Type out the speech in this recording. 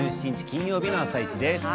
金曜日の「あさイチ」です。